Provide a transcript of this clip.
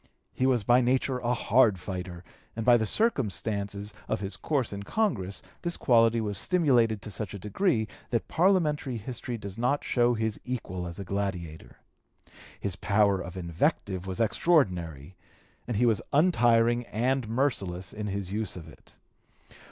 He was by nature a hard fighter, and by the circumstances of his course in Congress this quality was stimulated to such a degree that parliamentary history does not show his equal as a gladiator. (p. 229) His power of invective was extraordinary, and he was untiring and merciless in his use of it.